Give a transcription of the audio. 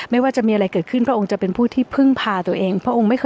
ว่าจะมีอะไรเกิดขึ้นพระองค์จะเป็นผู้ที่พึ่งพาตัวเอง